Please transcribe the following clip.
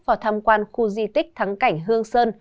vào tham quan khu di tích thắng cảnh hương sơn